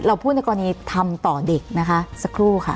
พูดในกรณีทำต่อเด็กนะคะสักครู่ค่ะ